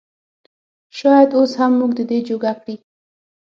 شايد اوس هم مونږ د دې جوګه کړي